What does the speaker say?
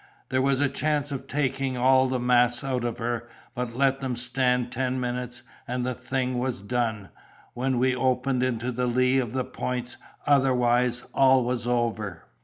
There was the chance of taking all the masts out of her; but let them stand ten minutes, and the thing was done, when we opened into the lee of the points—otherwise all was over.